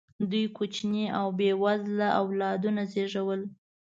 دوی کوچني او بې وزله اولادونه زېږول.